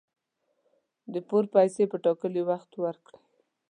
د پور پیسي په ټاکلي وخت ورکړئ